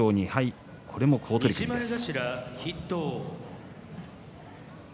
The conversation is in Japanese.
この一番も好取組です。